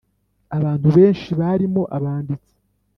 Abantu benshi, barimo abanditsi